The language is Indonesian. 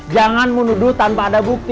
jangan menuduh tanpa ada bukti